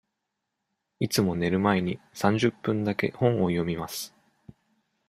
いつも寝る前に三十分だけ本を読みます。